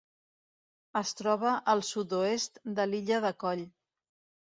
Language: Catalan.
Es troba al sud-oest de l'illa de Coll.